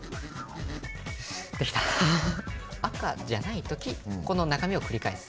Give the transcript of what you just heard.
赤じゃない時この中身を繰り返す。